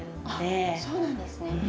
あっそうなんですね。